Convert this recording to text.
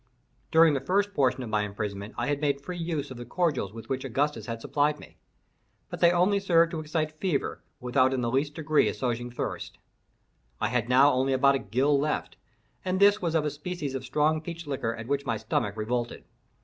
During the first portion of my imprisonment I had made free use of the cordials with which Augustus had supplied me, but they only served to excite fever, without in the least degree assuaging thirst. I had now only about a gill left, and this was of a species of strong peach liqueur at which my stomach revolted.